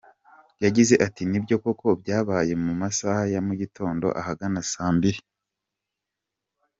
Yagize ati “Nibyo koko byabaye mu masaha ya mu gitondo ahagana saa mbili.